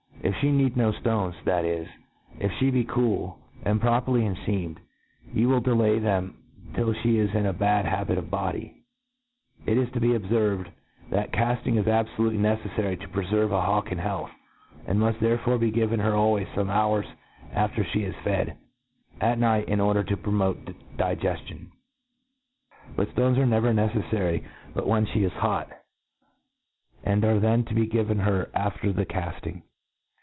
If fhe need no ftones, that/is, if fhe be cool, and properly in feaoned, yon will delay them tilt ihe is in a bad habit of body. It is to be obferved, that cafting is abfolutely neceflary to preferve a hawk in health, and muft therefore be given her always fome hours after Ihe is fed, at night, in order to promote dige ftion ; but ftones arc never neccffary but when Ihe is hot, and arc then to be given her after the MODERN FAULCONRY. 153 the calling.